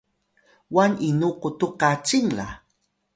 wan inu qutux kacing la